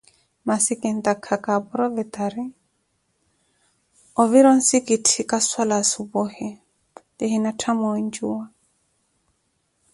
masi kintaaka kaaporovetari ovira onsikitthi kaswali asuphuhi lihina tthamuwe njuwa.